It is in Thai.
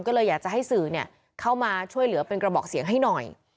ก็เลยอยากจะให้สื่อเข้ามาช่วยเหลือเป็นกระบอกเสียงให้หน่อย